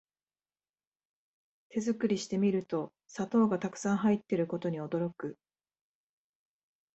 手作りしてみると砂糖がたくさん入ってることに驚く